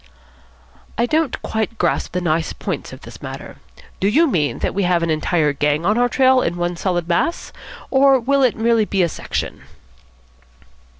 "I don't quite grasp the nice points of this matter. Do you mean that we have an entire gang on our trail in one solid mass, or will it be merely a section?"